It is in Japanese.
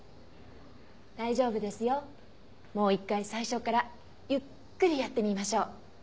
大丈夫ですよもう一回最初からゆっくりやってみましょう。